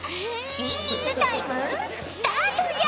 シンキングタイムスタートじゃ。